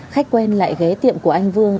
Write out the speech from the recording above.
khách quen lại ghé tiệm của anh vương